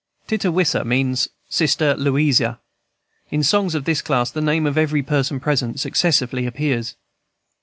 &c. "Tittawisa" means "Sister Louisa." In songs of this class the name of every person present successively appears.